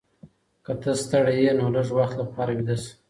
که ته ستړې یې نو لږ وخت لپاره ویده شه.